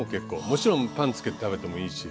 もちろんパンつけて食べてもいいし。